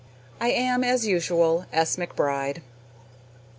I am, as usual, S. McBRIDE.